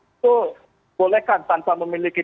itu bolehkan tanpa memiliki